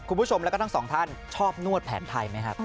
คุณผู้ชมแล้วก็ทั้งสองท่านชอบนวดแผนไทยไหมครับ